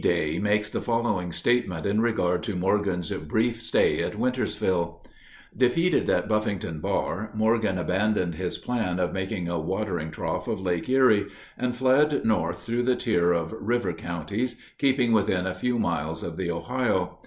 Day makes the following statement in regard to Morgan's brief stay at Wintersville: Defeated at Buffington Bar, Morgan abandoned his plan of making a watering trough of Lake Erie, and fled north through the tier of river counties, keeping within a few miles of the Ohio.